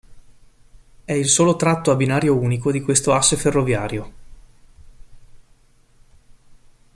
È il solo tratto a binario unico di questo asse ferroviario.